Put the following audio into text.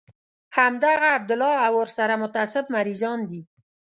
همدغه عبدالله او ورسره متعصب مريضان دي.